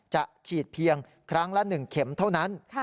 จะฉีดเพียงครั้งละ๑เข็มเท่านั้น